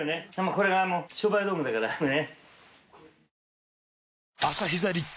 これが商売道具だからね